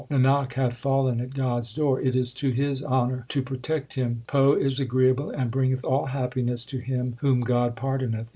Nanak hath fallen at God s door : it is to His honour to protect him. Poh is agreeable and bringeth all happiness to him whom God pardoneth.